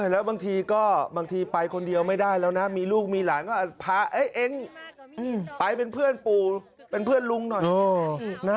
แล้วบางทีก็บางทีไปคนเดียวไม่ได้แล้วนะมีลูกมีหลานก็พาเองไปเป็นเพื่อนปู่เป็นเพื่อนลุงหน่อย